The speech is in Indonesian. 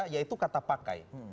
yaitu kata pakai